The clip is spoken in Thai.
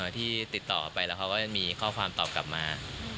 ที่ติดต่อไปแล้วเขาก็มีข้อความตอบกลับมา